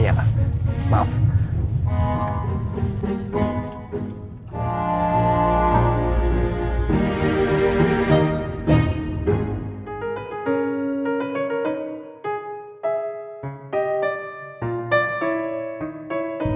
iya pak iya pak maaf